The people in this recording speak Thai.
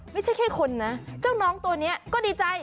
ไม่ใช่แค่คนนะเจ้าน้องตัวนี้ก็ดีใจ